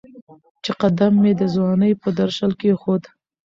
چې قدم مې د ځوانۍ په درشل کېښود